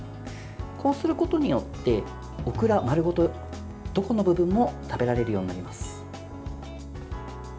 こうすることによってオクラ丸ごと、どこの部分も食べられるようになります。